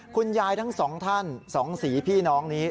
คุณยายทั้งสองท่านสองสี่พี่น้องนี้